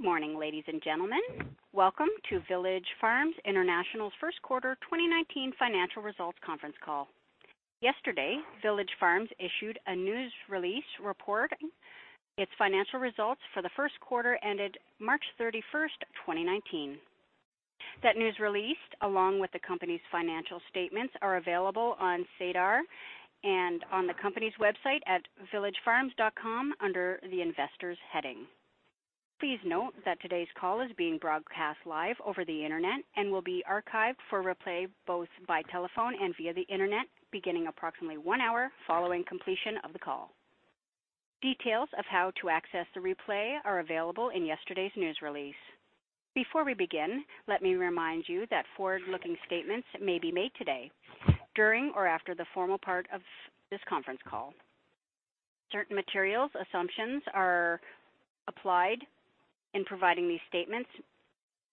Good morning, ladies and gentlemen. Welcome to Village Farms International's first quarter 2019 financial results conference call. Yesterday, Village Farms issued a news release reporting its financial results for the first quarter ended March 31st, 2019. That news release, along with the company's financial statements, are available on SEDAR and on the company's website at villagefarms.com under the Investors heading. Please note that today's call is being broadcast live over the internet and will be archived for replay both by telephone and via the internet, beginning approximately one hour following completion of the call. Details of how to access the replay are available in yesterday's news release. Before we begin, let me remind you that forward-looking statements may be made today during or after the formal part of this conference call. Certain material assumptions are applied in providing these statements,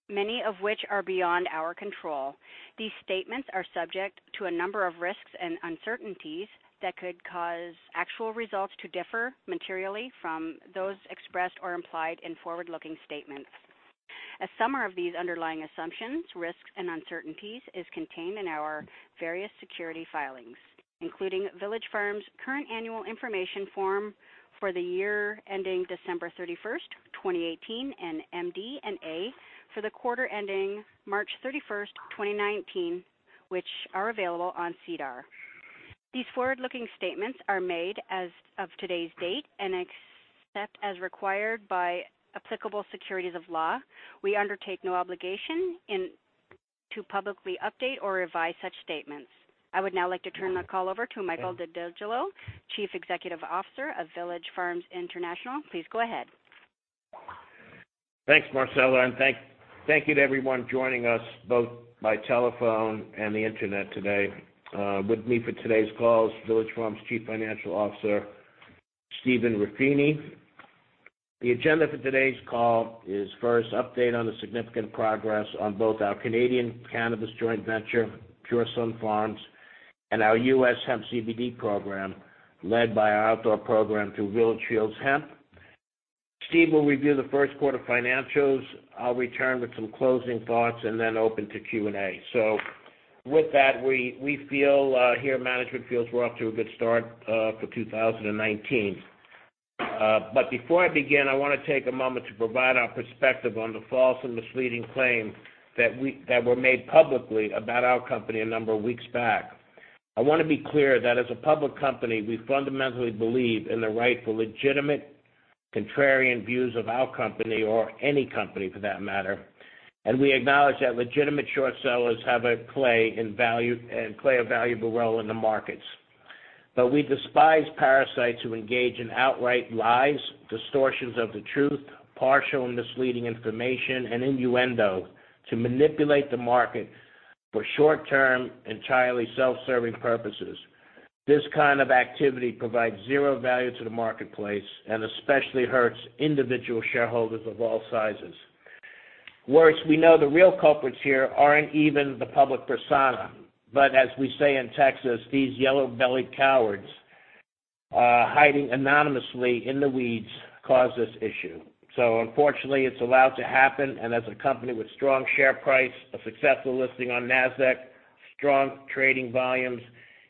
many of which are beyond our control. These statements are subject to a number of risks and uncertainties that could cause actual results to differ materially from those expressed or implied in forward-looking statements. A summary of these underlying assumptions, risks, and uncertainties is contained in our various security filings, including Village Farms' current annual information form for the year ending December 31st, 2018, and MD&A for the quarter ending March 31st, 2019, which are available on SEDAR. These forward-looking statements are made as of today's date and except as required by applicable securities law, we undertake no obligation to publicly update or revise such statements. I would now like to turn the call over to Michael DeGiglio, Chief Executive Officer of Village Farms International. Please go ahead. Thanks, Marcella, and thank you to everyone joining us both by telephone and the internet today. With me for today's call is Village Farms Chief Financial Officer, Stephen Ruffini. The agenda for today's call is first, update on the significant progress on both our Canadian cannabis joint venture, Pure Sunfarms, and our U.S. hemp CBD program led by our outdoor program through Village Fields Hemp. Steve will review the first quarter financials. Then open to Q&A. With that, management feels we're off to a good start for 2019. Before I begin, I want to take a moment to provide our perspective on the false and misleading claims that were made publicly about our company a number of weeks back. I want to be clear that as a public company, we fundamentally believe in the right for legitimate contrarian views of our company or any company for that matter. We acknowledge that legitimate short sellers have a play and play a valuable role in the markets. We despise parasites who engage in outright lies, distortions of the truth, partial and misleading information, and innuendo to manipulate the market for short-term, entirely self-serving purposes. This kind of activity provides zero value to the marketplace and especially hurts individual shareholders of all sizes. Worse, we know the real culprits here aren't even the public persona. As we say in Texas, these yellow-bellied cowards hiding anonymously in the weeds cause this issue. Unfortunately, it's allowed to happen, and as a company with strong share price, a successful listing on Nasdaq, strong trading volumes,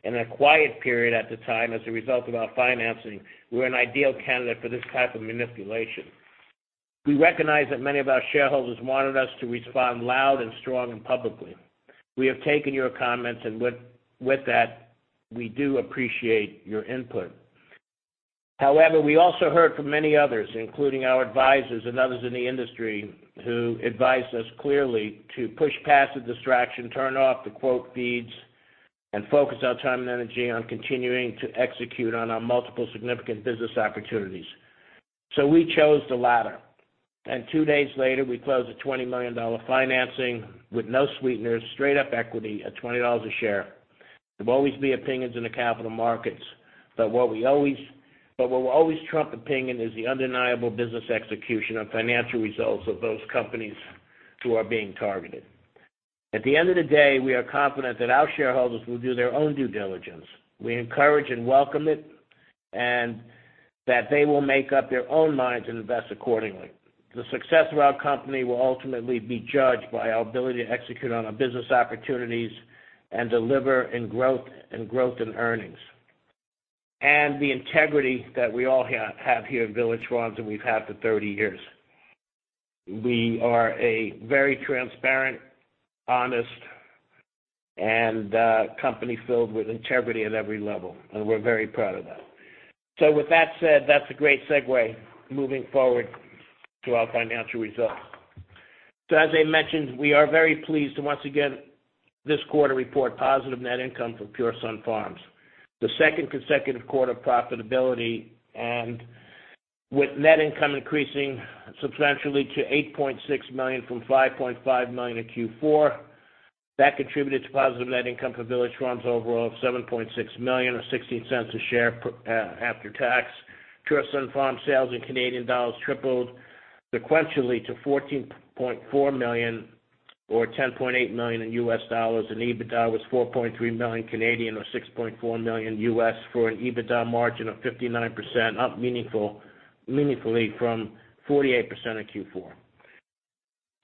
and a quiet period at the time as a result of our financing, we're an ideal candidate for this type of manipulation. We recognize that many of our shareholders wanted us to respond loud and strong and publicly. We have taken your comments, and with that, we do appreciate your input. We also heard from many others, including our advisors and others in the industry, who advised us clearly to push past the distraction, turn off the quote feeds, and focus our time and energy on continuing to execute on our multiple significant business opportunities. We chose the latter. Two days later, we closed a $20 million financing with no sweeteners, straight up equity at $20 a share. There will always be opinions in the capital markets. What will always trump opinion is the undeniable business execution and financial results of those companies who are being targeted. At the end of the day, we are confident that our shareholders will do their own due diligence. We encourage and welcome it, and that they will make up their own minds and invest accordingly. The success of our company will ultimately be judged by our ability to execute on our business opportunities and deliver in growth and earnings. The integrity that we all have here at Village Farms, and we've had for 30 years. We are a very transparent, honest, and a company filled with integrity at every level, and we're very proud of that. With that said, that's a great segue moving forward to our financial results. As I mentioned, we are very pleased to once again this quarter report positive net income from Pure Sunfarms. The second consecutive quarter profitability and with net income increasing substantially to $8.6 million from $5.5 million in Q4. That contributed to positive net income for Village Farms overall of $7.6 million or $0.16 a share after tax. Pure Sunfarms sales in Canadian dollars tripled sequentially to 14.4 million or $10.8 million, and EBITDA was 4.3 million or $6.4 million, for an EBITDA margin of 59%, up meaningfully from 48% in Q4.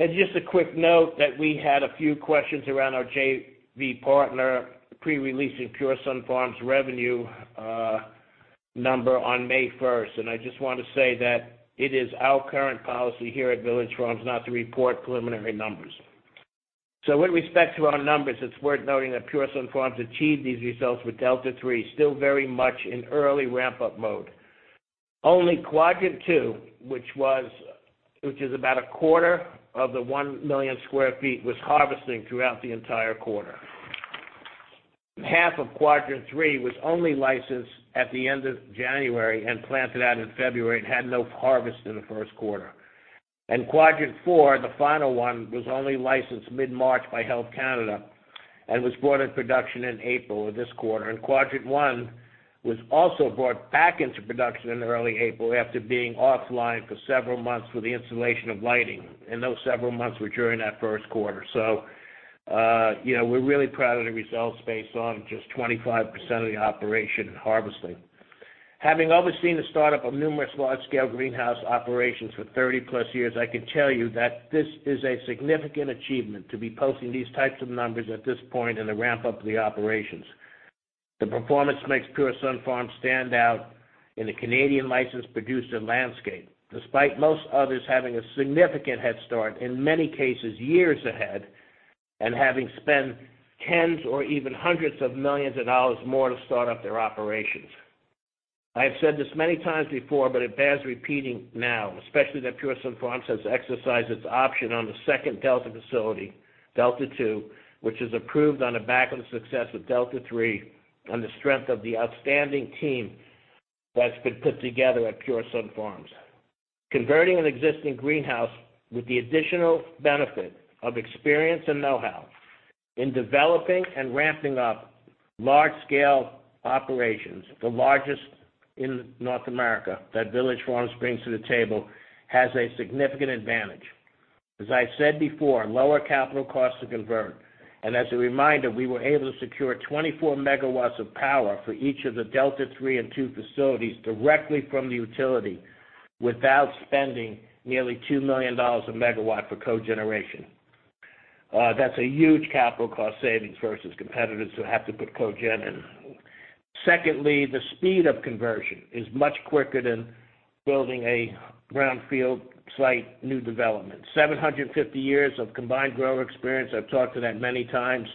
Just a quick note that we had a few questions around our JV partner pre-releasing Pure Sunfarms revenue number on May 1st, and I just want to say that it is our current policy here at Village Farms not to report preliminary numbers. With respect to our numbers, it's worth noting that Pure Sunfarms achieved these results with Delta-3 still very much in early ramp-up mode. Only Quadrant 2, which is about a quarter of the 1 million sq ft, was harvesting throughout the entire quarter. Half of Quadrant 3 was only licensed at the end of January and planted out in February and had no harvest in the first quarter. Quadrant 4, the final one, was only licensed mid-March by Health Canada and was brought in production in April of this quarter. Quadrant 1 was also brought back into production in early April after being offline for several months for the installation of lighting, and those several months were during that first quarter. We're really proud of the results based on just 25% of the operation harvesting. Having overseen the start-up of numerous large-scale greenhouse operations for 30-plus years, I can tell you that this is a significant achievement to be posting these types of numbers at this point in the ramp-up of the operations. The performance makes Pure Sunfarms stand out in the Canadian licensed producer landscape, despite most others having a significant head start, in many cases, years ahead, and having spent tens or even hundreds of millions of dollars more to start up their operations. I have said this many times before, but it bears repeating now, especially that Pure Sunfarms has exercised its option on the second Delta facility, Delta 2, which is approved on the back of the success of Delta 3 and the strength of the outstanding team that's been put together at Pure Sunfarms. Converting an existing greenhouse with the additional benefit of experience and know-how in developing and ramping up large-scale operations, the largest in North America that Village Farms brings to the table, has a significant advantage. As I said before, lower capital costs to convert. As a reminder, we were able to secure 24 MW of power for each of the Delta 3 and 2 facilities directly from the utility without spending nearly $2 million a MW for cogeneration. That's a huge capital cost savings versus competitors who have to put cogen in. Secondly, the speed of conversion is much quicker than building a brownfield site new development. 750 years of combined grower experience, I've talked to that many times.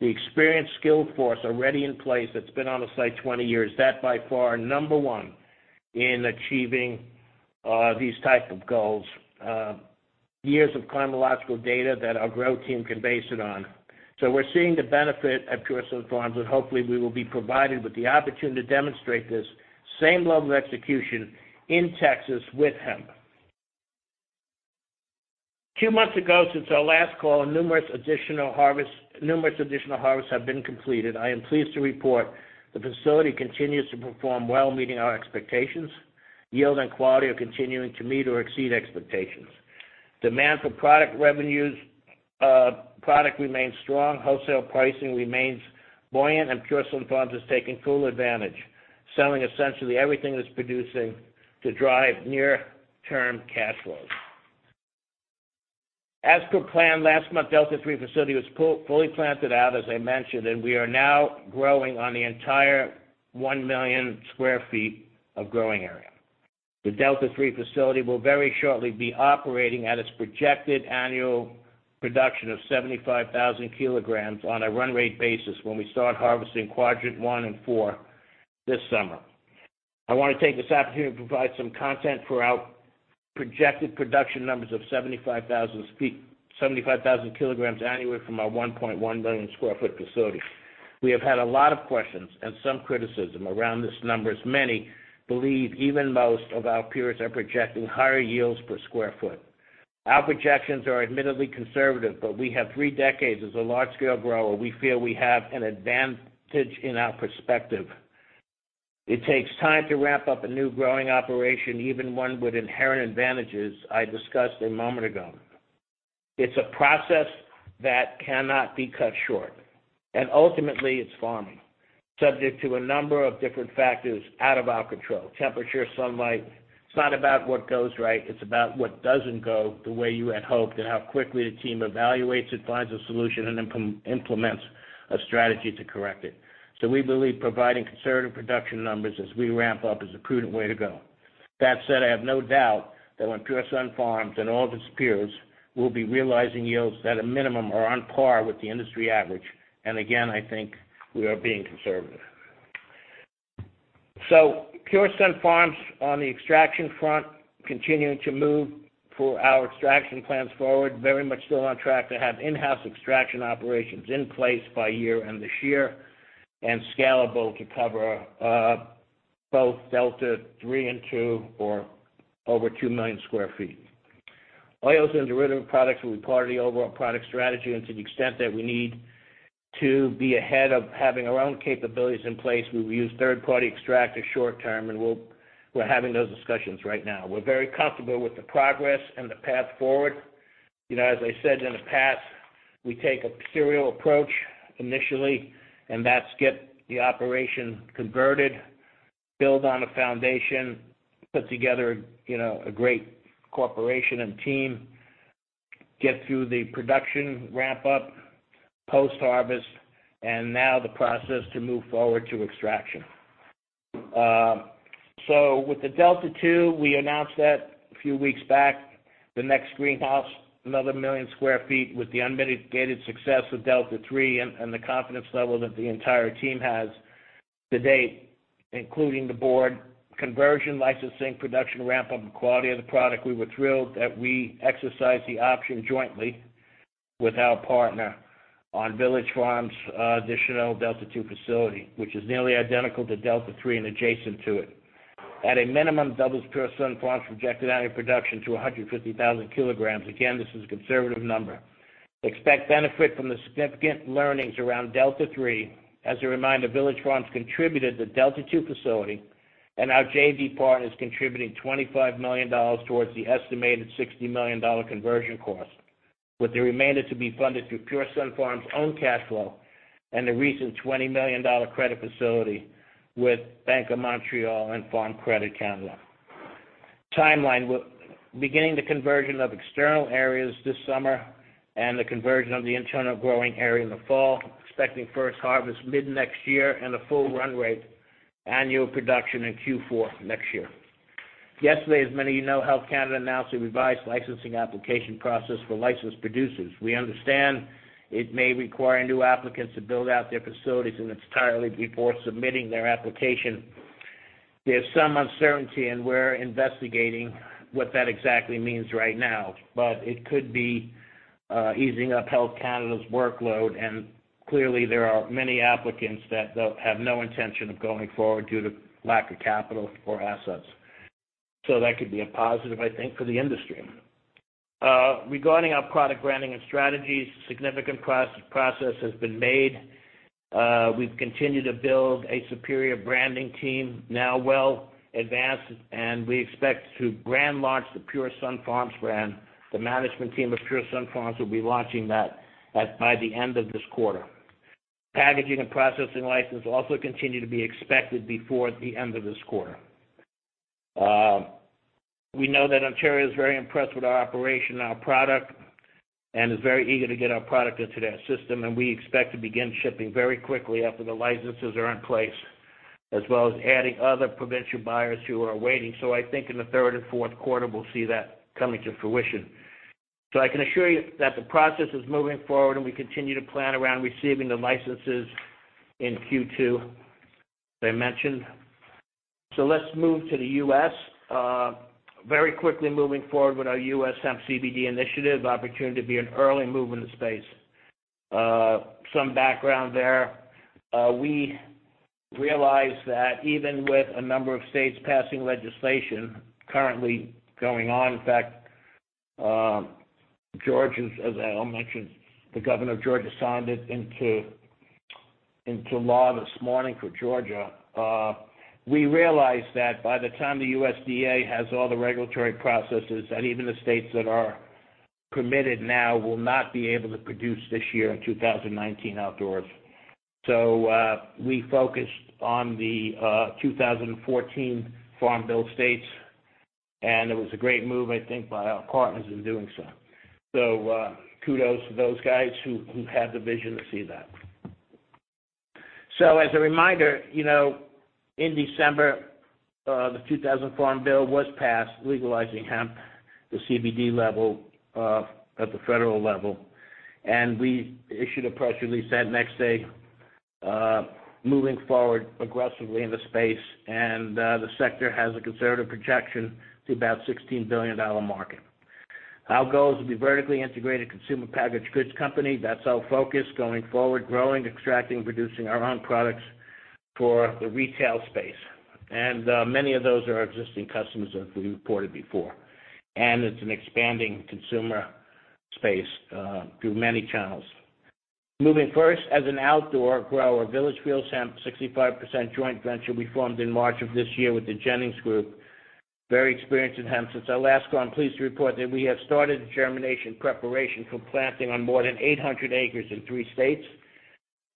The experienced skill force already in place that's been on the site 20 years, that by far, number 1 in achieving these type of goals. Years of climatological data that our grow team can base it on. We're seeing the benefit at Pure Sunfarms, and hopefully we will be provided with the opportunity to demonstrate this same level of execution in Texas with hemp. 2 months ago, since our last call, numerous additional harvests have been completed. I am pleased to report the facility continues to perform well, meeting our expectations. Yield and quality are continuing to meet or exceed expectations. Demand for product remains strong, wholesale pricing remains buoyant, and Pure Sunfarms is taking full advantage, selling essentially everything it's producing to drive near-term cash flows. As per plan, last month, Delta 3 facility was fully planted out, as I mentioned, and we are now growing on the entire 1 million sq ft of growing area. The Delta 3 facility will very shortly be operating at its projected annual production of 75,000 kilograms on a run rate basis when we start harvesting Quadrant 1 and 4 this summer. I want to take this opportunity to provide some content for our projected production numbers of 75,000 kilograms annually from our 1.1 million sq ft facility. We have had a lot of questions and some criticism around this number, as many believe even most of our peers are projecting higher yields per square foot. Our projections are admittedly conservative, but we have 3 decades as a large-scale grower. We feel we have an advantage in our perspective. It takes time to ramp up a new growing operation, even one with inherent advantages I discussed a moment ago. It's a process that cannot be cut short, and ultimately it's farming, subject to a number of different factors out of our control. Temperature, sunlight. It's not about what goes right, it's about what doesn't go the way you had hoped and how quickly the team evaluates it, finds a solution, and implements a strategy to correct it. We believe providing conservative production numbers as we ramp up is a prudent way to go. That said, I have no doubt that when Pure Sunfarms and all of its peers will be realizing yields that at minimum are on par with the industry average. Again, I think we are being conservative. Pure Sunfarms on the extraction front continuing to move our extraction plans forward, very much still on track to have in-house extraction operations in place by year-end this year and scalable to cover both Delta 3 and 2 or over 2 million square feet. Oils and derivative products will be part of the overall product strategy and to the extent that we need to be ahead of having our own capabilities in place, we will use third-party extract as short term, and we're having those discussions right now. We're very comfortable with the progress and the path forward. As I said in the past, we take a serial approach initially, and that's get the operation converted, build on a foundation, put together a great corporation and team, get through the production ramp-up post-harvest, and now the process to move forward to extraction. With the Delta 2, we announced that a few weeks back, the next greenhouse, another million square feet with the unmitigated success of Delta 3 and the confidence level that the entire team has to date, including the board. Conversion, licensing, production ramp-up, and quality of the product, we were thrilled that we exercised the option jointly with our partner on Village Farms' additional Delta 2 facility, which is nearly identical to Delta 3 and adjacent to it. At a minimum, doubles Pure Sunfarms projected annual production to 150,000 kilograms. Again, this is a conservative number. Expect benefit from the significant learnings around Delta 3. As a reminder, Village Farms contributed the Delta 2 facility, and our JV partner is contributing $25 million towards the estimated $60 million conversion cost, with the remainder to be funded through Pure Sunfarms' own cash flow and the recent $20 million credit facility with Bank of Montreal and Farm Credit Canada. Timeline. We're beginning the conversion of external areas this summer and the conversion of the internal growing area in the fall, expecting first harvest mid-next year and a full run rate annual production in Q4 next year. Yesterday, as many of you know, Health Canada announced a revised licensing application process for licensed producers. We understand it may require new applicants to build out their facilities in its entirety before submitting their application. There's some uncertainty, and we're investigating what that exactly means right now. It could be easing up Health Canada's workload. Clearly, there are many applicants that have no intention of going forward due to lack of capital or assets. That could be a positive, I think, for the industry. Regarding our product branding and strategies, significant process has been made. We've continued to build a superior branding team, now well advanced, and we expect to grand launch the Pure Sunfarms brand. The management team of Pure Sunfarms will be launching that by the end of this quarter. Packaging and processing license also continue to be expected before the end of this quarter. We know that Ontario is very impressed with our operation and our product and is very eager to get our product into their system. We expect to begin shipping very quickly after the licenses are in place, as well as adding other provincial buyers who are waiting. I think in the third and fourth quarter, we'll see that coming to fruition. I can assure you that the process is moving forward, and we continue to plan around receiving the licenses in Q2, as I mentioned. Let's move to the U.S. Very quickly moving forward with our U.S. hemp CBD initiative, opportunity to be an early mover in the space. Some background there. We realized that even with a number of states passing legislation currently going on. In fact, Georgia, as Al mentioned, the governor of Georgia signed it into law this morning for Georgia. We realized that by the time the USDA has all the regulatory processes, that even the states that are committed now will not be able to produce this year in 2019 outdoors. We focused on the 2014 Farm Bill states, and it was a great move, I think, by our partners in doing so. Kudos to those guys who had the vision to see that. As a reminder, in December, the 2018 Farm Bill was passed, legalizing hemp, the CBD level at the federal level. We issued a press release that next day, moving forward aggressively in the space. The sector has a conservative projection to about a $16 billion market. Our goal is to be vertically integrated consumer packaged goods company. That's our focus going forward, growing, extracting, producing our own products for the retail space. Many of those are our existing customers, as we reported before. It's an expanding consumer space through many channels. Moving first as an outdoor grower, Village Fields Hemp, a 65% joint venture we formed in March of this year with the Jennings Group, very experienced in hemp. Since our last call, I'm pleased to report that we have started the germination preparation for planting on more than 800 acres in three states.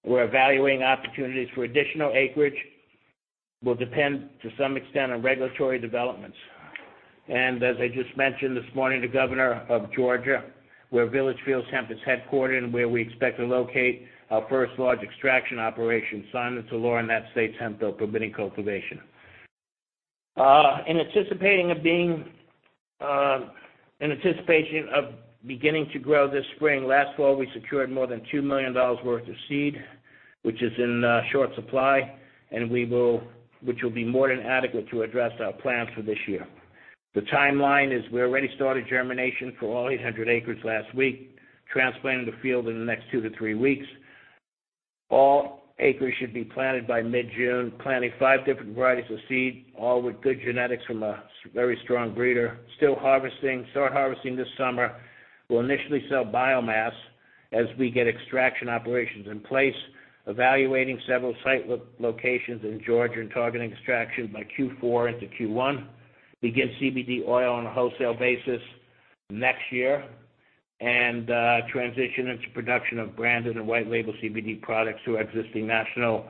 We're evaluating opportunities for additional acreage, will depend to some extent on regulatory developments. As I just mentioned this morning, the governor of Georgia, where Village Fields Hemp is headquartered and where we expect to locate our first large extraction operation, signed into law in that state's hemp bill, permitting cultivation. In anticipation of beginning to grow this spring, last fall, we secured more than $2 million worth of seed, which is in short supply, and which will be more than adequate to address our plans for this year. The timeline is we already started germination for all 800 acres last week, transplanting in the field in the next two to three weeks. All acres should be planted by mid-June, planting five different varieties of seed, all with good genetics from a very strong breeder. Still harvesting, start harvesting this summer. We'll initially sell biomass. As we get extraction operations in place, evaluating several site locations in Georgia and targeting extraction by Q4 into Q1. Begin CBD oil on a wholesale basis next year, and transition into production of branded and white label CBD products to our existing national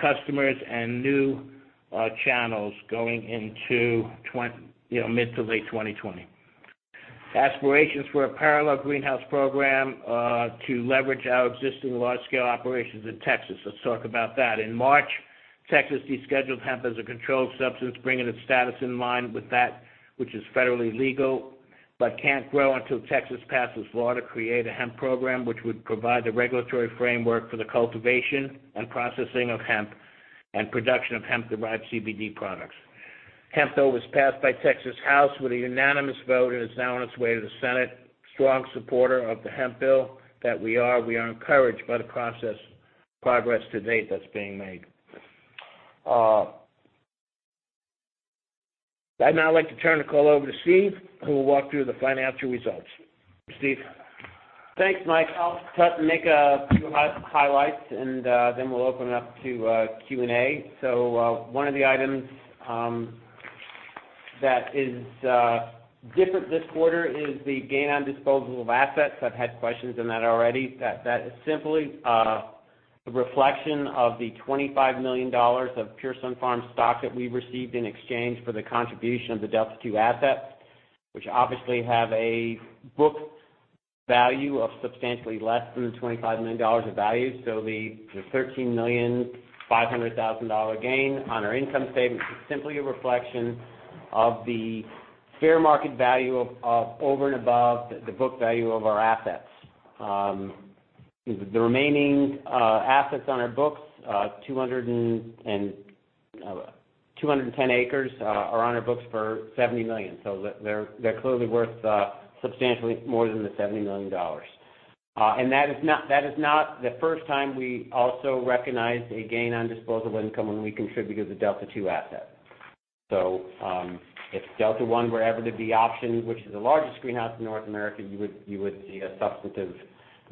customers and new channels going into mid to late 2020. Aspirations for a parallel greenhouse program to leverage our existing large-scale operations in Texas. Let's talk about that. In March, Texas descheduled hemp as a controlled substance, bringing its status in line with that which is federally legal, but can't grow until Texas passes a law to create a hemp program, which would provide the regulatory framework for the cultivation and processing of hemp and production of hemp-derived CBD products. Hemp bill was passed by Texas House with a unanimous vote and is now on its way to the Senate. Strong supporter of the hemp bill that we are, we are encouraged by the progress to date that's being made. I'd now like to turn the call over to Steve, who will walk through the financial results. Steve? Thanks, Mike. I'll make a few highlights and then we'll open it up to Q&A. So one of the items that is different this quarter is the gain on disposal of assets. I've had questions on that already. That is simply a reflection of the $25 million of Pure Sun Farms stock that we received in exchange for the contribution of the Delta-2 assets, which obviously have a book value of substantially less than the $25 million of value. So the $13,500,000 gain on our income statement is simply a reflection of the fair market value of over and above the book value of our assets. The remaining assets on our books, 210 acres, are on our books for $70 million. So they are clearly worth substantially more than the $70 million. That is not the first time we also recognized a gain on disposal income when we contributed the Delta-2 asset. If Delta-1 were ever to be optioned, which is the largest greenhouse in North America, you would see a substantive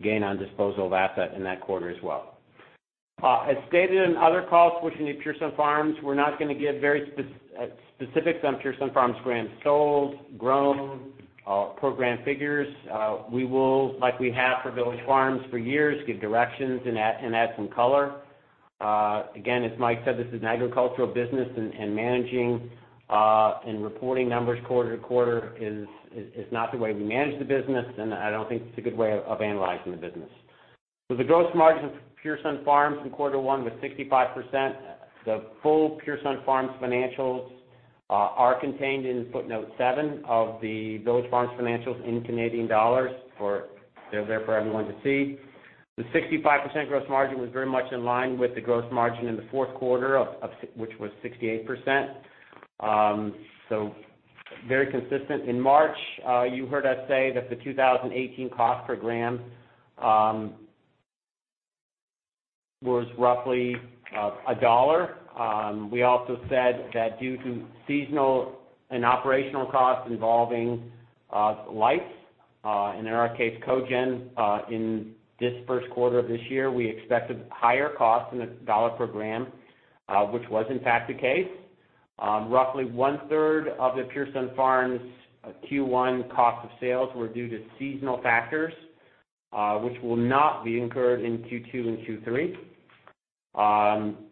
gain on disposal of asset in that quarter as well. As stated in other calls pertaining to Pure Sunfarms, we're not going to give very specific Pure Sunfarms grams sold, grown, program figures. We will, like we have for Village Farms for years, give directions and add some color. Again, as Mike said, this is an agricultural business, and managing and reporting numbers quarter-to-quarter is not the way we manage the business, and I don't think it's a good way of analyzing the business. The gross margin for Pure Sunfarms in quarter one was 65%. The full Pure Sunfarms financials are contained in footnote seven of the Village Farms financials in Canadian dollars. They're there for everyone to see. The 65% gross margin was very much in line with the gross margin in the fourth quarter, which was 68%. Very consistent. In March, you heard us say that the 2018 cost per gram was roughly CAD 1. We also said that due to seasonal and operational costs involving lights, and in our case, Cogen, in this first quarter of this year, we expected higher costs than CAD 1 per gram, which was in fact the case. Roughly one-third of the Pure Sunfarms Q1 cost of sales were due to seasonal factors, which will not be incurred in Q2 and Q3.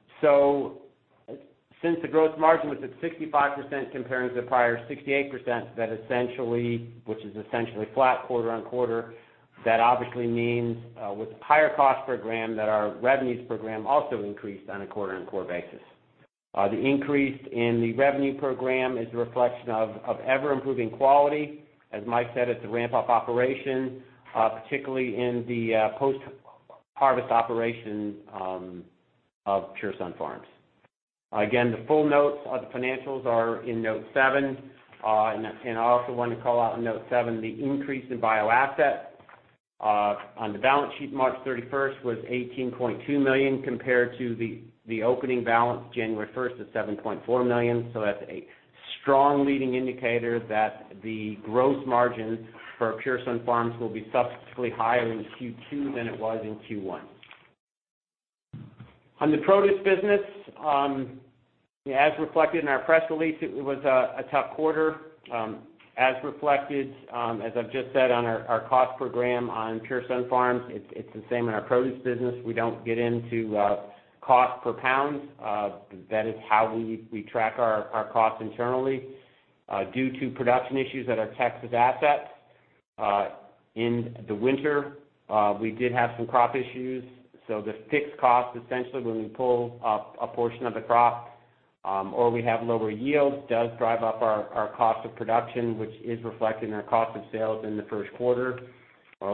Since the gross margin was at 65% comparing to the prior 68%, which is essentially flat quarter-on-quarter, that obviously means with the higher cost per gram, that our revenues per gram also increased on a quarter-on-quarter basis. The increase in the revenue per gram is a reflection of ever-improving quality. As Mike said, it's a ramp-up operation, particularly in the post-harvest operation of Pure Sunfarms. Again, the full notes of the financials are in note seven. I also want to call out in note seven, the increase in biological assets on the balance sheet March 31st was 18.2 million compared to the opening balance January 1st of 7.4 million. That's a strong leading indicator that the gross margins for Pure Sunfarms will be substantially higher in Q2 than it was in Q1. On the produce business, as reflected in our press release, it was a tough quarter. As reflected, as I've just said on our cost per gram on Pure Sunfarms, it's the same in our produce business. We don't get into cost per pound. That is how we track our costs internally. Due to production issues at our Texas assets in the winter, we did have some crop issues. The fixed cost, essentially when we pull up a portion of the crop or we have lower yields, does drive up our cost of production, which is reflected in our cost of sales in the first quarter.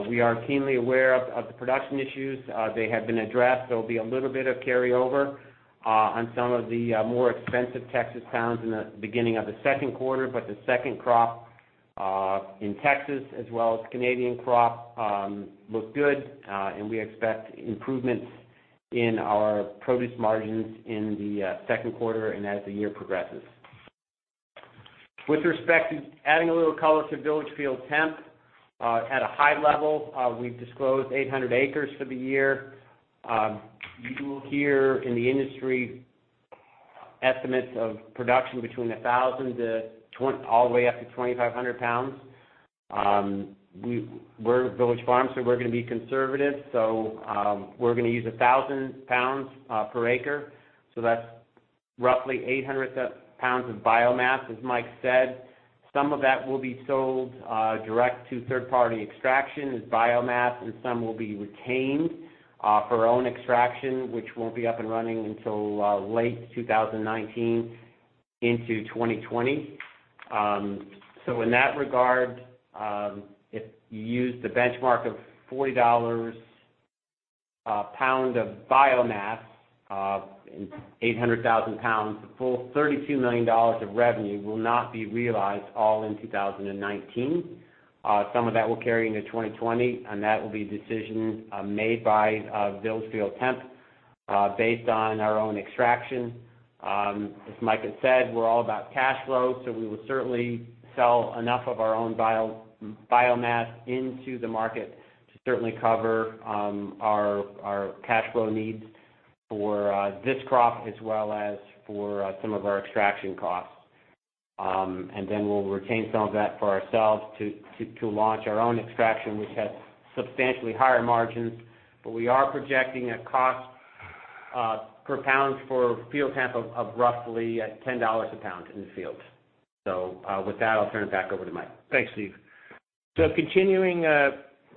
We are keenly aware of the production issues. They have been addressed. There will be a little bit of carryover on some of the more expensive Texas pounds in the beginning of the second quarter, but the second crop in Texas as well as Canadian crop look good. We expect improvements in our produce margins in the second quarter and as the year progresses. With respect to adding a little color to Village Fields Hemp, at a high level, we've disclosed 800 acres for the year. You will hear in the industry estimates of production between 1,000 all the way up to 2,500 pounds. We're Village Farms, we're going to be conservative. We're going to use 1,000 pounds per acre. That's roughly 800 pounds of biomass, as Mike said. Some of that will be sold direct to third-party extractions, biomass, and some will be retained for our own extraction, which won't be up and running until late 2019 into 2020. In that regard, if you use the benchmark of $40 a pound of biomass, 800,000 pounds, a full $32 million of revenue will not be realized all in 2019. Some of that will carry into 2020, and that will be a decision made by Village Fields Hemp based on our own extraction. As Mike had said, we're all about cash flow, we will certainly sell enough of our own biomass into the market to certainly cover our cash flow needs for this crop, as well as for some of our extraction costs. We'll retain some of that for ourselves to launch our own extraction, which has substantially higher margins. We are projecting a cost per pound for field hemp of roughly $10 a pound in the field. With that, I'll turn it back over to Mike. Thanks, Steve. Continuing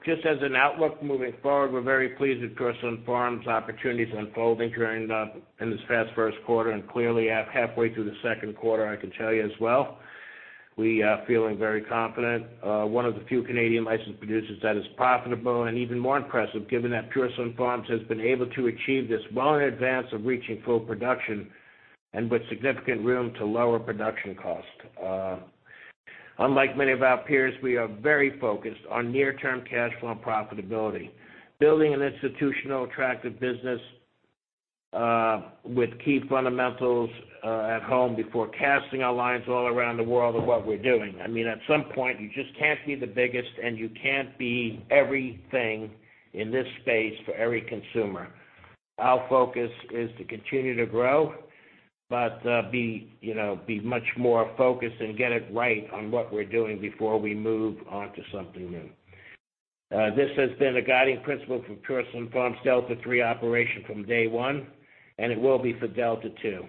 just as an outlook moving forward, we're very pleased with Pure Sunfarms opportunities unfolding in this past first quarter, and clearly halfway through the second quarter, I can tell you as well, we are feeling very confident. One of the few Canadian licensed producers that is profitable and even more impressive given that Pure Sunfarms has been able to achieve this well in advance of reaching full production and with significant room to lower production cost. Unlike many of our peers, we are very focused on near-term cash flow and profitability, building an institutionally attractive business, with key fundamentals at home before casting our lines all around the world of what we're doing. I mean, at some point, you just can't be the biggest, and you can't be everything in this space for every consumer. Our focus is to continue to grow, be much more focused and get it right on what we're doing before we move on to something new. This has been a guiding principle for Pure Sunfarms' Delta-3 operation from day one, and it will be for Delta-2.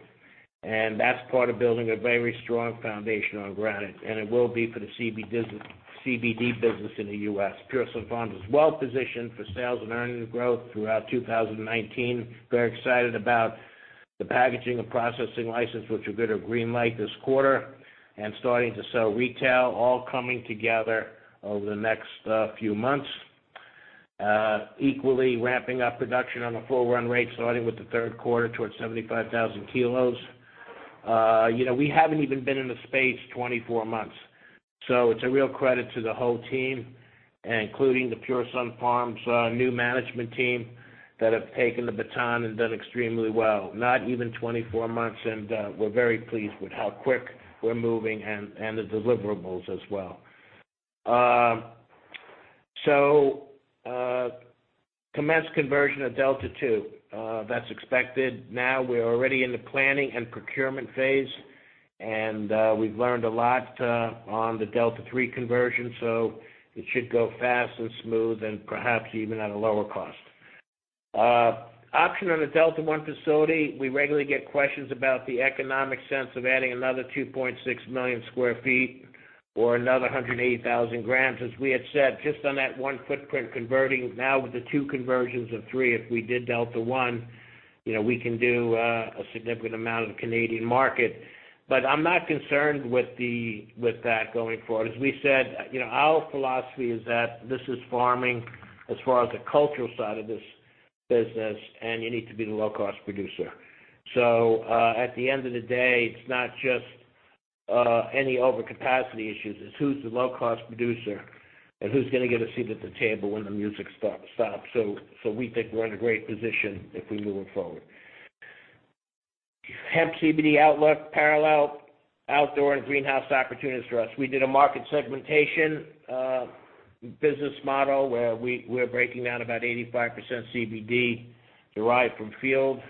That's part of building a very strong foundation on granite, and it will be for the CBD business in the U.S. Pure Sunfarms is well-positioned for sales and earnings growth throughout 2019. Very excited about the packaging and processing license, which we'll get a green light this quarter, and starting to sell retail, all coming together over the next few months. Equally ramping up production on a full run rate starting with the third quarter towards 75,000 kilos. We haven't even been in the space 24 months. It's a real credit to the whole team, including the Pure Sunfarms' new management team that have taken the baton and done extremely well. Not even 24 months, and we're very pleased with how quick we're moving and the deliverables as well. Commence conversion of Delta-2. That's expected. Now we're already in the planning and procurement phase, and we've learned a lot on the Delta-3 conversion, so it should go fast and smooth and perhaps even at a lower cost. Option on the Delta-1 facility. We regularly get questions about the economic sense of adding another 2.6 million sq ft or another 180,000 grams. As we had said, just on that one footprint converting, now with the two conversions of three, if we did Delta-1, we can do a significant amount of the Canadian market. I'm not concerned with that going forward. As we said, our philosophy is that this is farming as far as the cultural side of this business, and you need to be the low-cost producer. At the end of the day, it's not just any overcapacity issues. It's who's the low-cost producer and who's going to get a seat at the table when the music stops. We think we're in a great position if we're moving forward. Hemp CBD outlook parallel outdoor and greenhouse opportunities for us. We did a market segmentation business model where we're breaking down about 85% CBD derived from field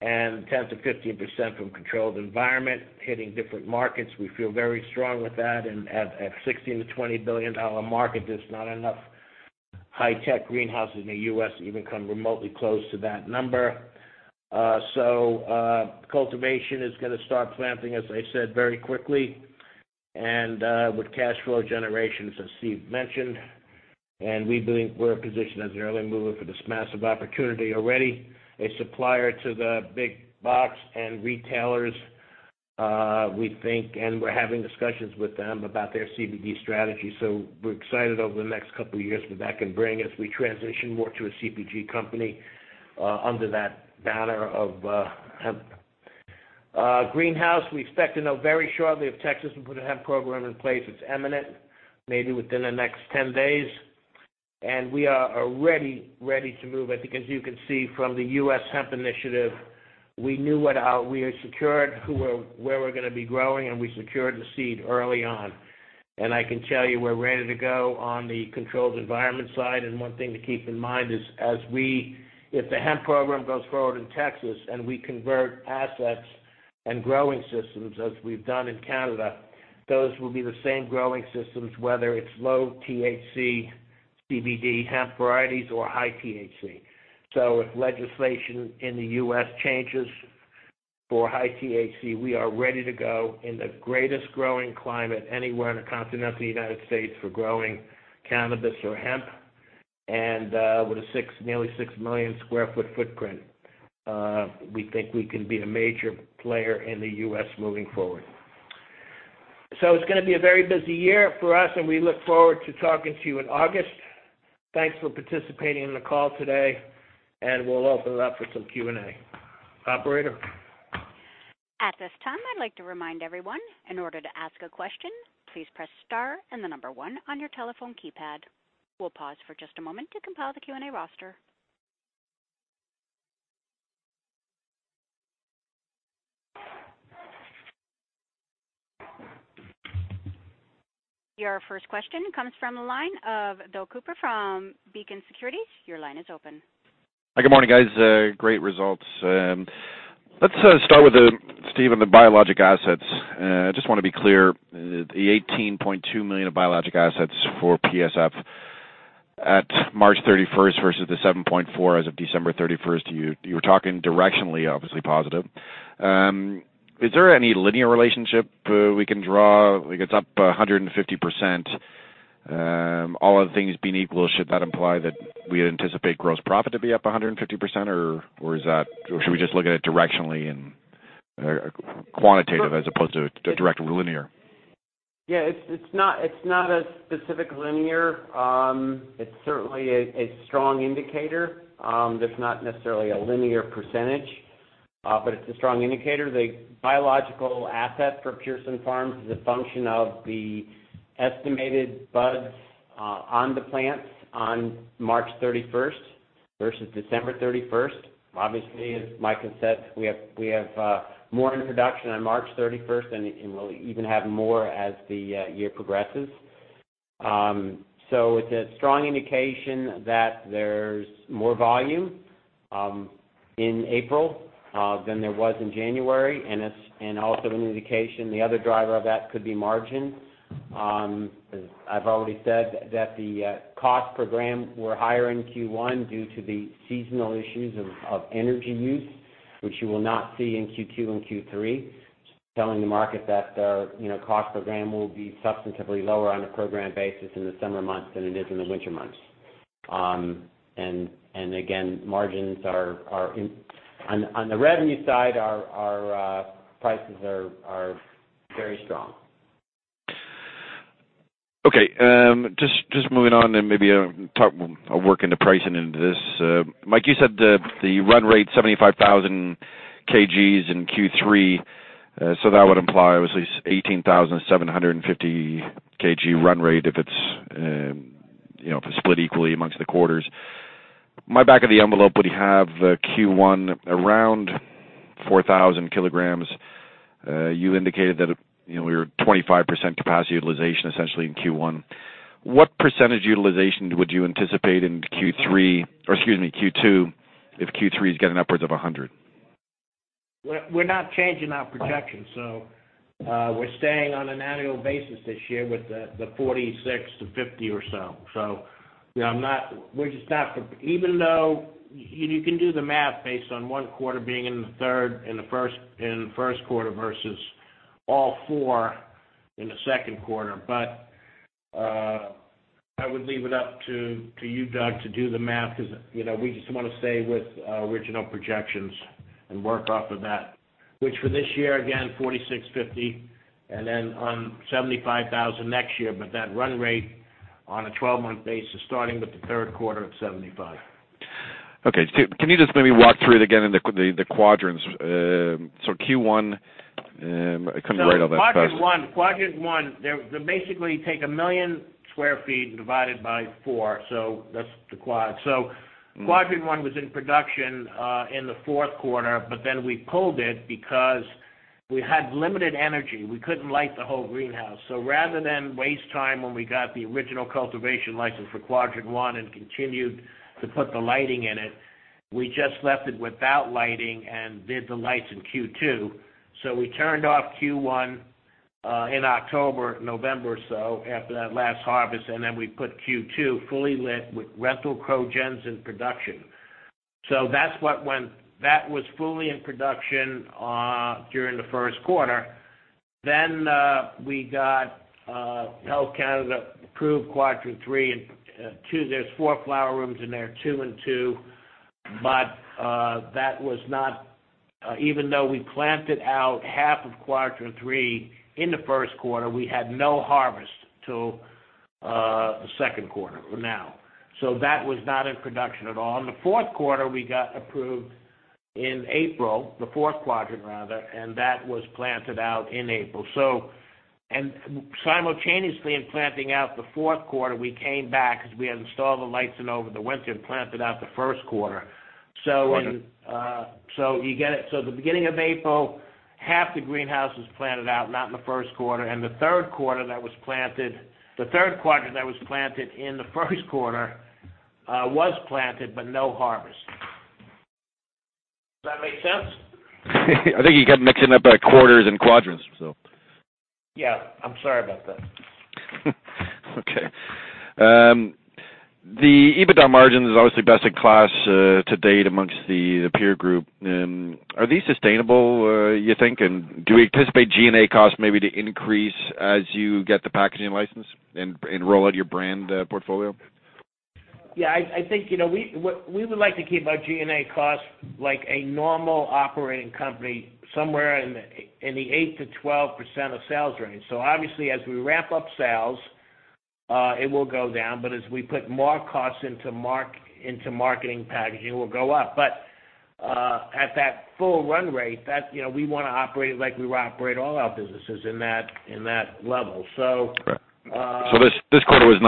and 10%-15% from controlled environment, hitting different markets. We feel very strong with that. At a $16 billion-$20 billion market, there's not enough high-tech greenhouses in the U.S. to even come remotely close to that number. Cultivation is going to start planting, as I said, very quickly and with cash flow generations, as Steve mentioned. We believe we're positioned as an early mover for this massive opportunity already. A supplier to the big box and retailers, we think, and we're having discussions with them about their CBD strategy. We're excited over the next couple of years what that can bring as we transition more to a CPG company under that banner of hemp. Greenhouse, we expect to know very shortly if Texas will put a hemp program in place. It's imminent, maybe within the next 10 days. We are ready to move, I think, as you can see from the U.S. hemp initiative, we knew where we are secured, where we're going to be growing, and we secured the seed early on. I can tell you we're ready to go on the controlled environment side. One thing to keep in mind is, if the hemp program goes forward in Texas and we convert assets and growing systems as we've done in Canada, those will be the same growing systems, whether it's low-THC, CBD hemp varieties or high THC. If legislation in the U.S. changes for high THC, we are ready to go in the greatest growing climate anywhere in the continental United States for growing cannabis or hemp, and with a nearly 6 million sq ft footprint. We think we can be a major player in the U.S. moving forward. It's going to be a very busy year for us, and we look forward to talking to you in August. Thanks for participating in the call today, and we'll open it up for some Q&A. Operator? At this time, I would like to remind everyone, in order to ask a question, please press star and the number one on your telephone keypad. We will pause for just a moment to compile the Q&A roster. Your first question comes from the line of Doug Cooper from Beacon Securities. Your line is open. Hi, good morning, guys. Great results. Let's start with, Steve, on the Biological assets. I just want to be clear, the 18.2 million of Biological assets for PSF at March 31st versus the 7.4 million as of December 31st, you were talking directionally, obviously positive. Is there any linear relationship we can draw? It is up 150%. All other things being equal, should that imply that we anticipate gross profit to be up 150%, or should we just look at it directionally in quantitative as opposed to direct linear? Yeah, it is not a specific linear. It is certainly a strong indicator. There is not necessarily a linear percentage, but it is a strong indicator. The Biological asset for Pure Sunfarms is a function of the estimated buds on the plants on March 31st versus December 31st. Obviously, as Mike has said, we have more in production on March 31st, and we will even have more as the year progresses. It is a strong indication that there is more volume in April than there was in January, and also an indication the other driver of that could be margin. I have already said that the cost per gram were higher in Q1 due to the seasonal issues of energy use, which you will not see in Q2 and Q3. I am just telling the market that cost per gram will be substantively lower on a program basis in the summer months than it is in the winter months. Again, margins on the revenue side, our prices are very strong. Okay. Just moving on. Maybe I'll work into pricing into this. Michael, you said the run rate 75,000 kgs in Q3. That would imply it was at least 18,750 kg run rate if it's split equally amongst the quarters. My back of the envelope would have Q1 around 4,000 kilograms. You indicated that we were at 25% capacity utilization, essentially, in Q1. What % utilization would you anticipate in Q2, if Q3 is getting upwards of 100%? We're not changing our projection. We're staying on an annual basis this year with the 46,000 kg-50,000 kg or so. You can do the math based on one quarter being in the first quarter versus all four in the second quarter. I would leave it up to you, Doug, to do the math because we just want to stay with original projections and work off of that. Which for this year, again, 46,000 kg, 50,000 kg, and then on 75,000 next year, that run rate on a 12-month basis, starting with the third quarter of 75,000 kg. Okay. Can you just maybe walk through it again in the quadrants? Q1, I couldn't write all that fast. Quadrant one, they basically take 1 million sq ft and divide it by four. That's the quad. Quadrant one was in production in the fourth quarter. We pulled it because we had limited energy. We couldn't light the whole greenhouse. Rather than waste time when we got the original cultivation license for quadrant one and continued to put the lighting in it, we just left it without lighting and did the lights in Q2. We turned off Q1 in October, November or so, after that last harvest. We put Q2 fully lit with rental cogens in production. That was fully in production during the first quarter. We got Health Canada approve quadrant three and two. There's four flower rooms in there, two and two. Even though we planted out half of quadrant 3 in the first quarter, we had no harvest till the second quarter. That was not in production at all. In the fourth quarter, we got approved in April, the fourth quadrant, rather, and that was planted out in April. Simultaneously in planting out the fourth quarter, we came back because we had installed the lights in over the winter and planted out the first quarter. Got it. The beginning of April, half the greenhouse was planted out, not in the first quarter. The third quadrant that was planted in the first quarter, was planted but no harvest. Does that make sense? I think you got mixing up by quarters and quadrants. Yeah, I'm sorry about that. Okay. The EBITDA margin is obviously best in class to date amongst the peer group. Are these sustainable, you think? Do we anticipate G&A costs maybe to increase as you get the packaging license and roll out your brand portfolio? Yeah, I think we would like to keep our G&A costs like a normal operating company, somewhere in the 8%-12% of sales range. Obviously, as we ramp up sales, it will go down. As we put more costs into marketing packaging, it will go up. At that full run rate, we want to operate it like we operate all our businesses in that level. Right. This quarter was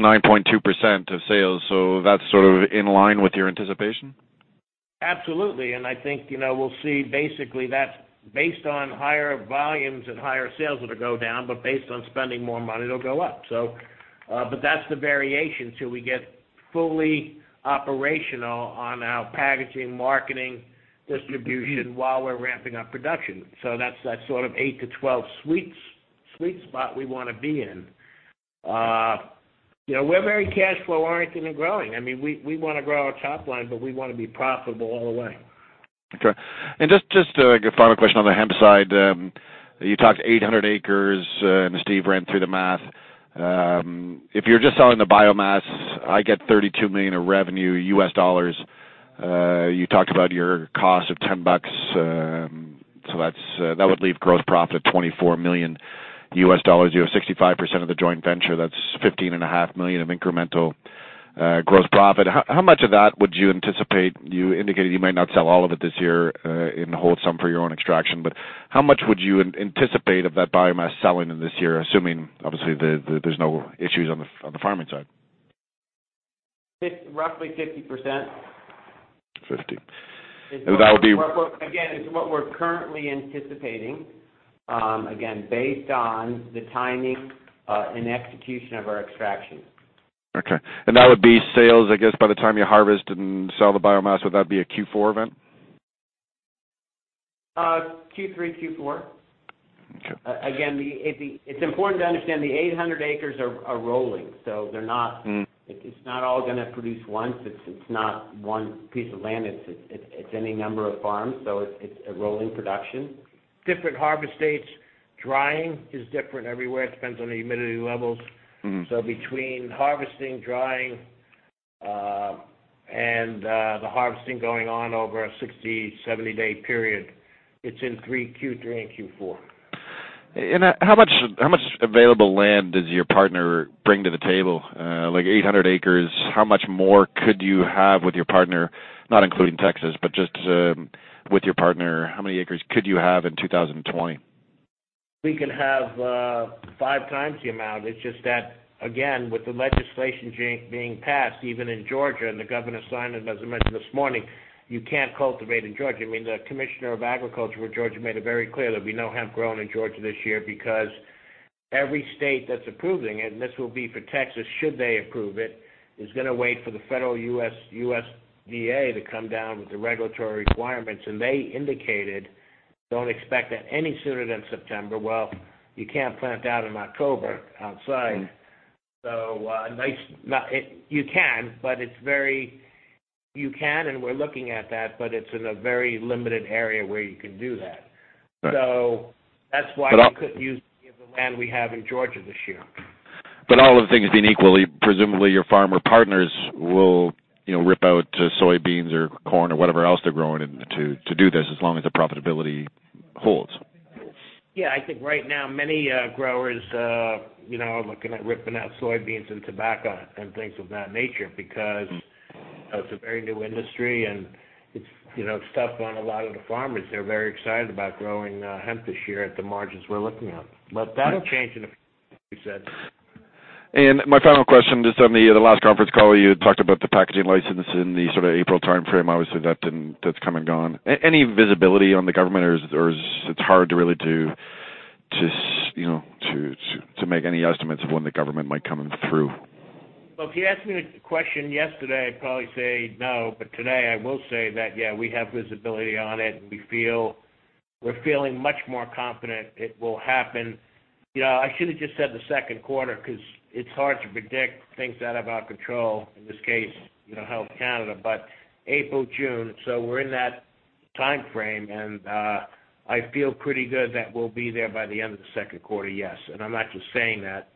9.2% of sales, so that's sort of in line with your anticipation? Absolutely. I think we'll see basically that based on higher volumes and higher sales, it'll go down, but based on spending more money, it'll go up. That's the variation till we get fully operational on our packaging, marketing, distribution while we're ramping up production. That's that sort of 8%-12% sweet spot we want to be in. We're very cash flow oriented and growing. I mean, we want to grow our top line, but we want to be profitable all the way. Okay. Just a final question on the hemp side. You talked 800 acres, and Steve ran through the math. If you're just selling the biomass, I get $32 million of revenue. You talked about your cost of $10, that would leave gross profit at $24 million. You own 65% of the joint venture. That's $15.5 million of incremental gross profit. How much of that would you anticipate, you indicated you might not sell all of it this year, and hold some for your own extraction, but how much would you anticipate of that biomass selling in this year, assuming obviously there's no issues on the farming side? Roughly 50%. 50. That would be- It's what we're currently anticipating. Again, based on the timing, and execution of our extraction. Okay, that would be sales, I guess, by the time you harvest and sell the biomass, would that be a Q4 event? Q3, Q4. Okay. It's important to understand the 800 acres are rolling. It's not all going to produce once. It's not one piece of land. It's any number of farms. It's a rolling production. Different harvest dates. Drying is different everywhere. It depends on the humidity levels. Between harvesting, drying, and the harvesting going on over a 60-70-day period, it's in Q3 and Q4. How much available land does your partner bring to the table? Like 800 acres, how much more could you have with your partner, not including Texas, but just with your partner, how many acres could you have in 2020? We can have five times the amount. It's just that, again, with the legislation being passed, even in Georgia, and the governor signed it, as I mentioned this morning, you can't cultivate in Georgia. I mean, the Commissioner of Agriculture with Georgia made it very clear there'll be no hemp grown in Georgia this year because every state that's approving it, and this will be for Texas should they approve it, is going to wait for the federal USDA to come down with the regulatory requirements. They indicated, don't expect that any sooner than September. You can't plant out in October outside. You can, and we're looking at that, but it's in a very limited area where you can do that. Right. That's why we couldn't use any of the land we have in Georgia this year. All other things being equal, presumably your farmer partners will rip out soybeans or corn or whatever else they're growing to do this as long as the profitability holds. I think right now, many growers are looking at ripping out soybeans and tobacco and things of that nature because it's a very new industry and it's tough on a lot of the farmers. They're very excited about growing hemp this year at the margins we're looking at. My final question, just on the last conference call, you had talked about the packaging license in the sort of April timeframe. Obviously, that's come and gone. Any visibility on the government, or it's hard to really make any estimates of when the government might come through? Well, if you'd asked me the question yesterday, I'd probably say no. Today I will say that, yeah, we have visibility on it, and we're feeling much more confident it will happen. I should have just said the second quarter because it's hard to predict things out of our control, in this case, Health Canada. April, June, we're in that timeframe, and I feel pretty good that we'll be there by the end of the second quarter, yes. I'm actually saying that,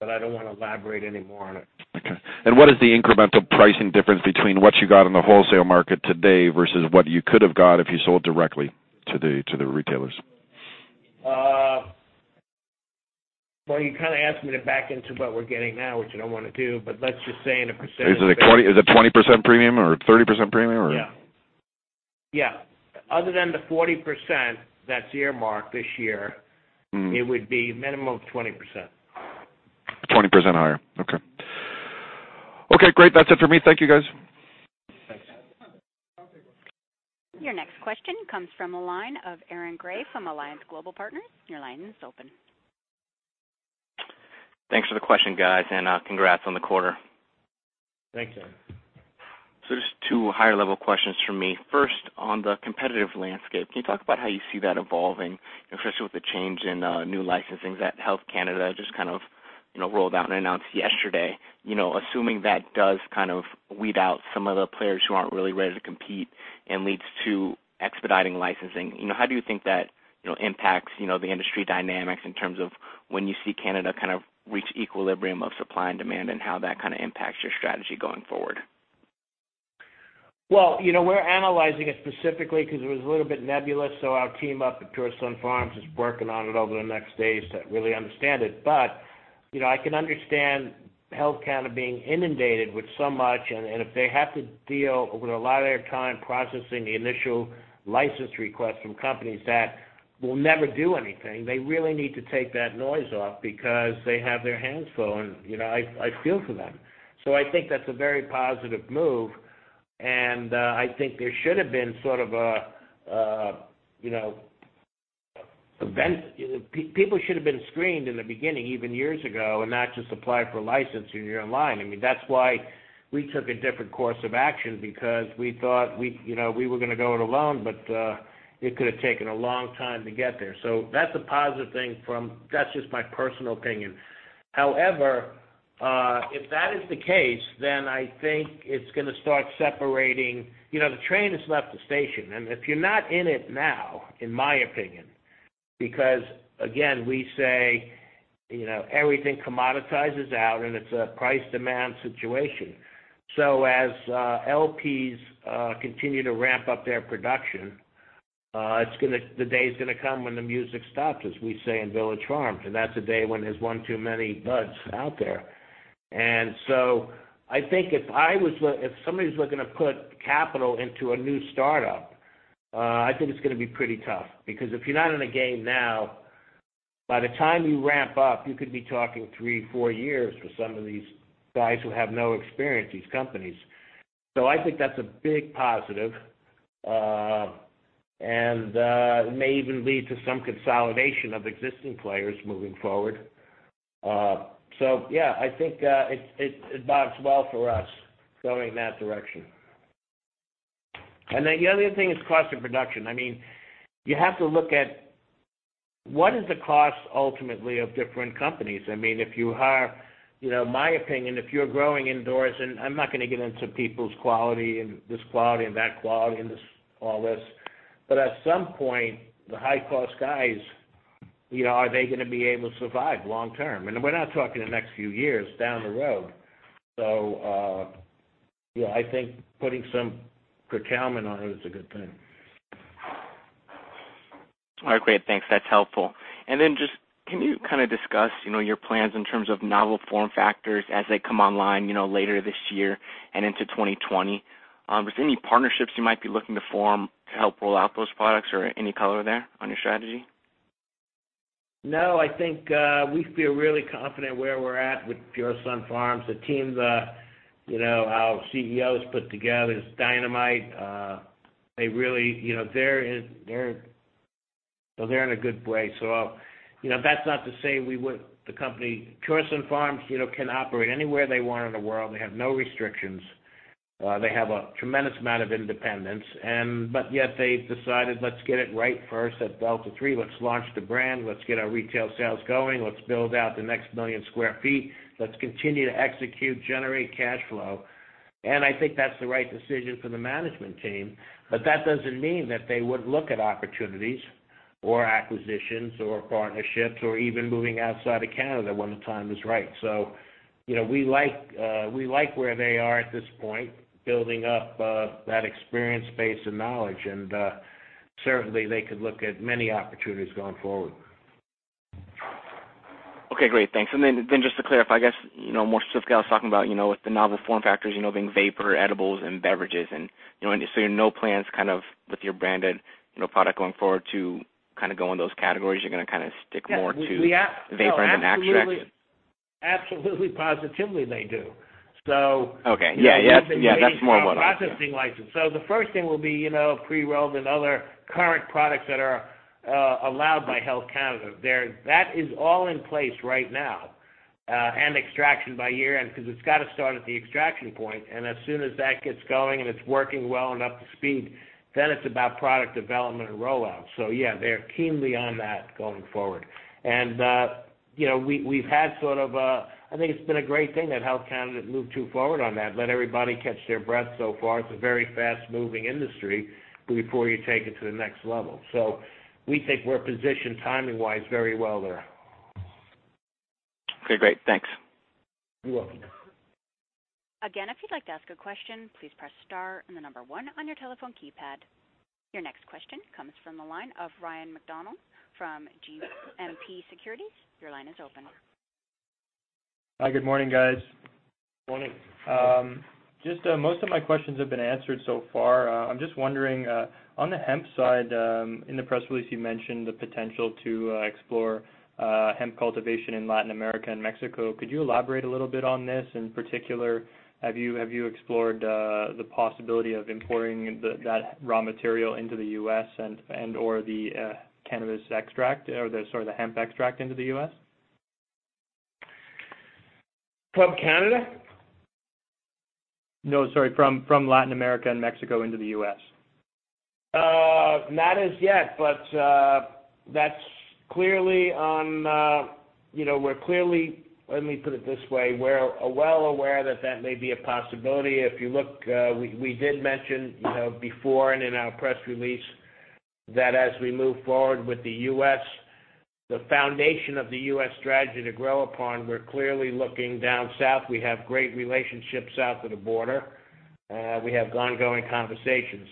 but I don't want to elaborate any more on it. Okay. What is the incremental pricing difference between what you got in the wholesale market today versus what you could have got if you sold directly to the retailers? Well, you kind of asked me to back into what we're getting now, which I don't want to do, but let's just say in a percentage- Is it a 20% premium or a 30% premium, or? Yeah. Other than the 40% that's earmarked this year. it would be minimum of 20%. 20% higher. Okay. Okay, great. That's it for me. Thank you, guys. Thanks. Your next question comes from the line of Aaron Grey from Alliance Global Partners. Your line is open. Thanks for the question, guys, and congrats on the quarter. Thanks, Aaron. Just two higher level questions from me. First, on the competitive landscape, can you talk about how you see that evolving, especially with the change in new licensing that Health Canada just kind of rolled out and announced yesterday? Assuming that does kind of weed out some of the players who aren't really ready to compete and leads to expediting licensing, how do you think that impacts the industry dynamics in terms of when you see Canada kind of reach equilibrium of supply and demand, and how that kind of impacts your strategy going forward? Well, we're analyzing it specifically because it was a little bit nebulous, so our team up at Pure Sunfarms is working on it over the next days to really understand it. I can understand Health Canada being inundated with so much, and if they have to deal, over a lot of their time, processing the initial license requests from companies that will never do anything, they really need to take that noise off because they have their hands full, and I feel for them. I think that's a very positive move, and I think there should have been People should have been screened in the beginning, even years ago, and not just apply for a license when you're in line. I mean, that's why we took a different course of action because we thought we were going to go it alone, it could've taken a long time to get there. That's a positive thing. That's just my personal opinion. However, if that is the case, I think it's going to start separating. The train has left the station, if you're not in it now, in my opinion, because again, we say everything commoditizes out and it's a price demand situation. As LPs continue to ramp up their production, the day is going to come when the music stops, as we say in Village Farms, and that's the day when there's one too many buds out there. I think if somebody's looking to put capital into a new startup, I think it's going to be pretty tough, because if you're not in the game now, by the time you ramp up, you could be talking three, four years for some of these guys who have no experience, these companies. I think that's a big positive. It may even lead to some consolidation of existing players moving forward. Yeah, I think it bodes well for us going in that direction. The other thing is cost of production. You have to look at what is the cost ultimately of different companies. If you hire, my opinion, if you're growing indoors, I'm not going to get into people's quality and this quality and that quality and all this, at some point, the high cost guys, are they going to be able to survive long term? We're not talking the next few years, down the road. Yeah, I think putting some procurement on it is a good thing. All right, great. Thanks. That's helpful. Just, can you kind of discuss your plans in terms of novel form factors as they come online later this year and into 2020? Was there any partnerships you might be looking to form to help roll out those products or any color there on your strategy? No, I think we feel really confident where we're at with Pure Sunfarms. The team, our CEOs put together is dynamite. They're in a good way. That's not to say the company, Pure Sunfarms, can operate anywhere they want in the world. They have no restrictions. They have a tremendous amount of independence. Yet they've decided, let's get it right first at Delta 3. Let's launch the brand. Let's get our retail sales going. Let's build out the next 1 million sq ft. Let's continue to execute, generate cash flow. I think that's the right decision for the management team. That doesn't mean that they wouldn't look at opportunities or acquisitions or partnerships or even moving outside of Canada when the time is right. We like where they are at this point, building up that experience base and knowledge, and certainly they could look at many opportunities going forward. Okay, great. Thanks. Then just to clarify, I guess, more specifically, I was talking about with the novel form factors, being vapor, edibles, and beverages. No plans kind of with your branded product going forward to kind of go in those categories. You're going to kind of stick more to vapors and extracts? Absolutely, positively they do. Okay. Yeah. processing license. The first thing will be pre-rolled and other current products that are allowed by Health Canada. That is all in place right now. Extraction by year-end, because it's got to start at the extraction point, and as soon as that gets going and it's working well and up to speed, then it's about product development and rollout. Yeah, they are keenly on that going forward. We've had I think it's been a great thing that Health Canada moved to forward on that. Let everybody catch their breath so far. It's a very fast moving industry before you take it to the next level. We think we're positioned timing-wise very well there. Okay, great. Thanks. You're welcome. Again, if you'd like to ask a question, please press star and the number 1 on your telephone keypad. Your next question comes from the line of Ryan McDonald from GMP Securities. Your line is open. Hi, good morning, guys. Morning. Most of my questions have been answered so far. I'm just wondering, on the hemp side, in the press release, you mentioned the potential to explore hemp cultivation in Latin America and Mexico. Could you elaborate a little bit on this? In particular, have you explored the possibility of importing that raw material into the U.S. and/or the cannabis extract or the hemp extract into the U.S.? From Canada? No, sorry. From Latin America and Mexico into the U.S. Not as yet, let me put it this way. We're well aware that that may be a possibility. If you look, we did mention before and in our press release that as we move forward with the U.S., the foundation of the U.S. strategy to grow upon, we're clearly looking down south. We have great relationships south of the border. We have ongoing conversations.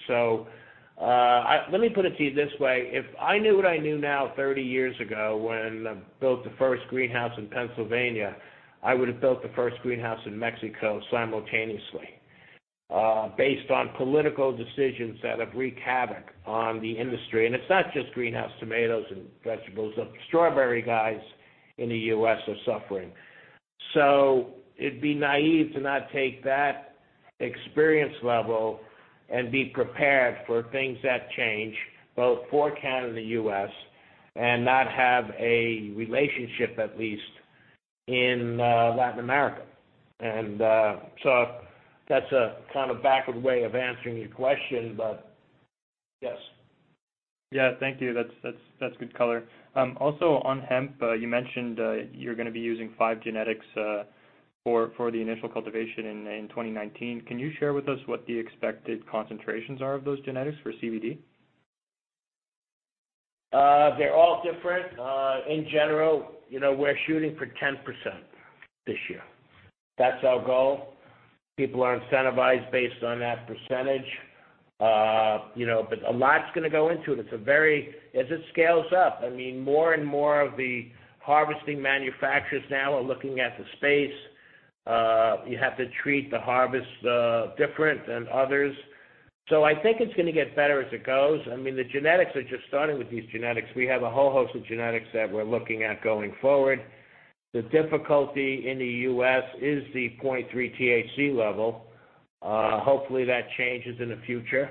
Let me put it to you this way. If I knew what I knew now 30 years ago, when I built the first greenhouse in Pennsylvania, I would've built the first greenhouse in Mexico simultaneously, based on political decisions that have wreaked havoc on the industry. It's not just greenhouse tomatoes and vegetables. The strawberry guys in the U.S. are suffering. It'd be naive to not take that experience level and be prepared for things that change both for Canada and the U.S., and not have a relationship, at least, in Latin America. That's a kind of backward way of answering your question, yes. Yeah. Thank you. That's good color. Also on hemp, you mentioned, you're going to be using five genetics for the initial cultivation in 2019. Can you share with us what the expected concentrations are of those genetics for CBD? They're all different. In general, we're shooting for 10% this year. That's our goal. People are incentivized based on that percentage. A lot's going to go into it as it scales up. More and more of the harvesting manufacturers now are looking at the space. You have to treat the harvest different than others. I think it's going to get better as it goes. The genetics are just starting with these genetics. We have a whole host of genetics that we're looking at going forward. The difficulty in the U.S. is the 0.3 THC level. Hopefully, that changes in the future.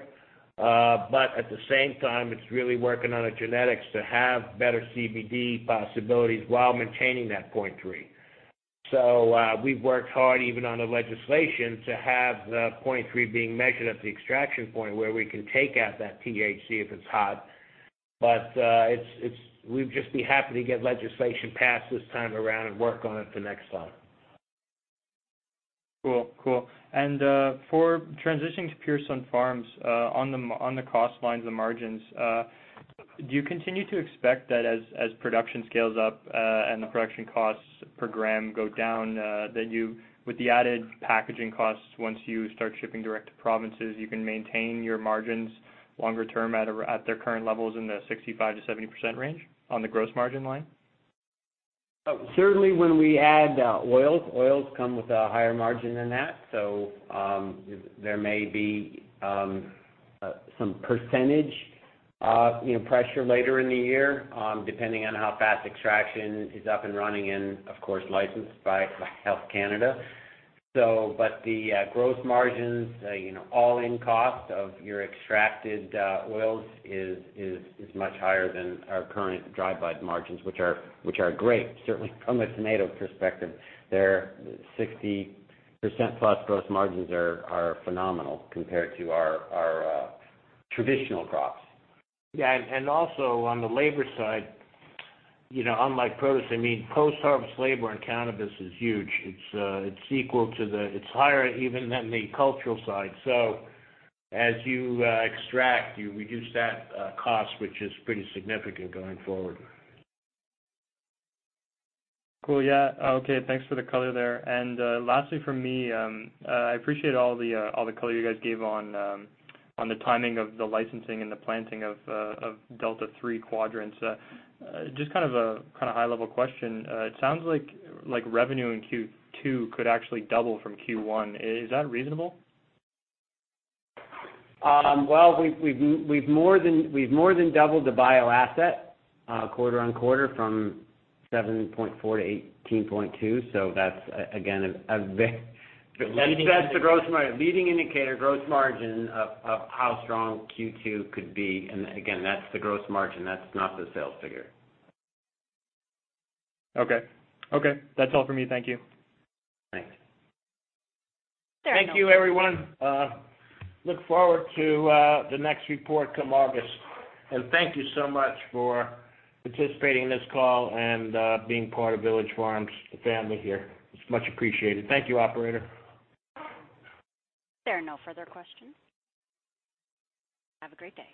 At the same time, it's really working on the genetics to have better CBD possibilities while maintaining that 0.3. We've worked hard even on the legislation to have the 0.3 being measured at the extraction point where we can take out that THC if it's hot. We'd just be happy to get legislation passed this time around and work on it for next time. Cool. For transitioning to Pure Sunfarms, on the cost lines and margins, do you continue to expect that as production scales up, and the production costs per gram go down, that with the added packaging costs, once you start shipping direct to provinces, you can maintain your margins longer term at their current levels in the 65%-70% range on the gross margin line? Certainly when we add oils come with a higher margin than that. There may be some percentage pressure later in the year, depending on how fast extraction is up and running and, of course, licensed by Health Canada. The gross margins, all in cost of your extracted oils is much higher than our current dry bud margins, which are great. Certainly from a tomato perspective, their 60%-plus gross margins are phenomenal compared to our traditional crops. Also on the labor side, unlike produce, post-harvest labor on cannabis is huge. It's higher even than the cultural side. As you extract, you reduce that cost, which is pretty significant going forward. Thanks for the color there. Lastly from me, I appreciate all the color you guys gave on the timing of the licensing and the planting of Delta 3 quadrants. Just kind of a high level question. It sounds like revenue in Q2 could actually double from Q1. Is that reasonable? We've more than doubled the bio asset quarter-on-quarter from 7.4-18.2. That's, again, a very That's the leading indicator gross margin of how strong Q2 could be. Again, that's the gross margin. That's not the sales figure. Okay. That's all for me. Thank you. Thanks. Thank you, everyone. Look forward to the next report come August. Thank you so much for participating in this call and being part of Village Farms family here. It's much appreciated. Thank you, operator. There are no further questions. Have a great day.